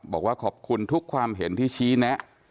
บอกว่าขอบคุณทุกความเห็นที่ชี้แนะ